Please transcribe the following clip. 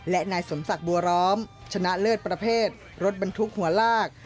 และนายสมศักดิ์บัวร้อมชนะเลิศประเภทรถบรรทุกหัวลาก